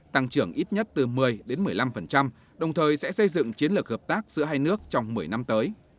tăng trưởng ít nhất từ một mươi một mươi năm đồng thời sẽ xây dựng chiến lược hợp tác giữa hai nước trong một mươi năm tới